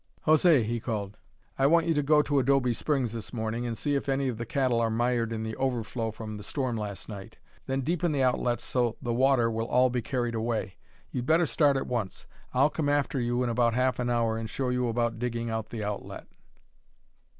"José," he called, "I want you to go to Adobe Springs this morning and see if any of the cattle are mired in the overflow from the storm last night. Then deepen the outlet so the water will all be carried away. You'd better start at once. I'll come after you in about half an hour and show you about digging out the outlet."